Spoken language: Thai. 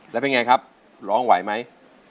แล้วเป็นไงครับร้องไหวไหม